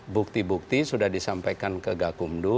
bukti bukti sudah disampaikan ke gakumdu